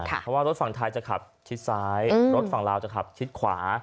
เพราะว่ารถฝั่งท้ายจะขับชิดซ้ายรถฝั่งลาวจะขับชิดขวา